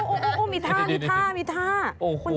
โอ้โหรีท่ามีท่าคุณชนะ